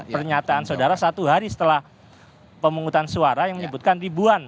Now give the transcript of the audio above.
pernyataan saudara satu hari setelah pemungutan suara yang menyebutkan ribuan